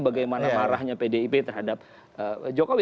bagaimana marahnya pdip terhadap jokowi